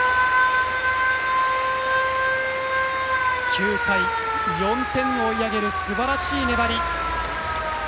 ９回に４点を追い上げるすばらしい粘り。